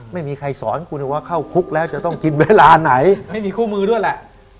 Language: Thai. ไม่มีใครสอนคุณว่าเข้าคุกแล้วจะต้องกินเวลาไหนไม่มีคู่มือด้วยแหละ